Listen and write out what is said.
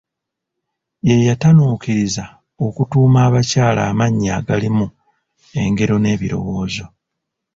Ye yatanuukiriza okutuuma abakyala amannya agalimu engero n'ebirowoozo.